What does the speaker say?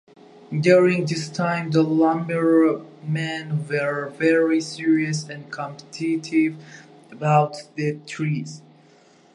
During this time, the lumbermen were very serious and competitive about the trees.